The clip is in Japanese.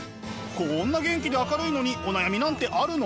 こんな元気で明るいのにお悩みなんてあるの？